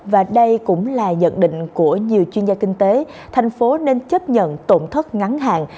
và đây cũng là nhận định của nhiều chuyên gia kinh tế thành phố nên chấp nhận tổn thất ngắn hạn